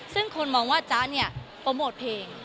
ซึ่งคนมองว่าจ๊ะเนี่ยโปรโมทเพลง